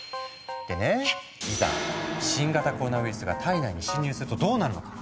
でねいざ新型コロナウイルスが体内に侵入するとどうなるのか。